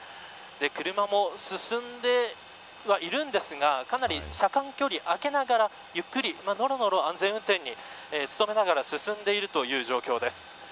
車も進んではいるんですがかなり車間距離を空けながらゆっくり、のろのろ安全運転に努めながら進んでいるという状況です。